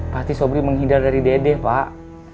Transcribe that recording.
pasti sobri menghindar dari dedeh pak